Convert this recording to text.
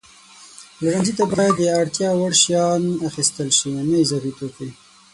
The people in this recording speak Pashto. پلورنځي ته باید د اړتیا وړ شیان اخیستل شي، نه اضافي توکي.